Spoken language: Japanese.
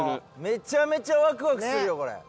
めちゃめちゃワクワクするよ。